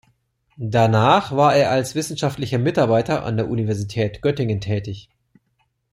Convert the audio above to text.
Danach war er als wissenschaftlicher Mitarbeiter an der Universität Göttingen tätig.